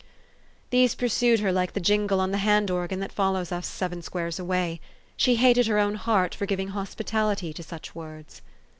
These pursued her like the jingle on the hand organ that follows us seven squares away. She hated her own heart for giving hospitality to such words.